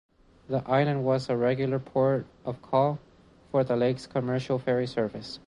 The island was a regular port of call for the lake's commercial ferry service.